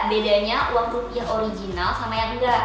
bedanya uang rupiah original sama yang enggak